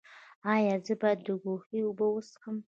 ایا زه باید د کوهي اوبه وڅښم؟